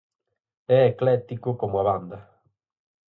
É ecléctico como a banda.